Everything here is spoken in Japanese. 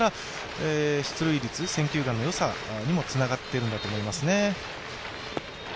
出塁率、選球眼のよさにもつながっているんだと思いますね。